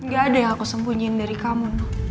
gak ada yang aku sembunyiin dari kamu